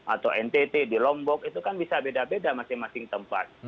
atau ntt di lombok itu kan bisa beda beda masing masing tempat